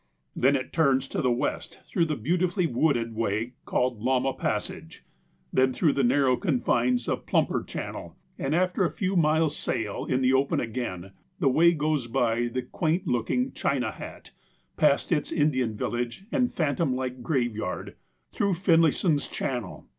Then it turns to the west through the beautifully wooded way, called Lama Passage ; then through the narrow confines of Plumper Channel ; and, after a few miles' sail in the open again, the way goes by the quaint looking China Hat, past its Indian village and phantom like graveyard, through Finlayson's Channel.